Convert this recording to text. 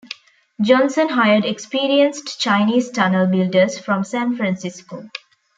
Johnson hired experienced Chinese tunnel builders from San Francisco.